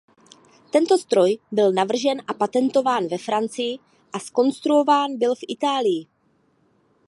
Tento stroj byl navržen a patentován ve Francii a zkonstruován byl v Itálii.